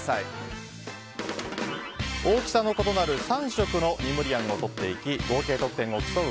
大きさの異なる３色のニムリアンを取っていき合計得点を競う